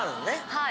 はい。